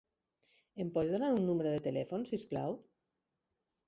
Em pots donar un número de telèfon, si us plau?